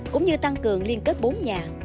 cũng như tăng cường liên kết bốn nhà